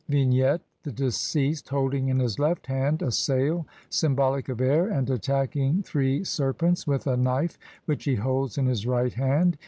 ] Vignette : The deceased holding in his left hand a sail, symbolic of air, and attacking three serpents with a knife which he holds in his right hand (see Naville, op. cit., Bd.